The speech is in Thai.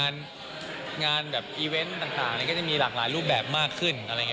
งานแบบอีเวนต์ต่างก็จะมีหลากหลายรูปแบบมากขึ้น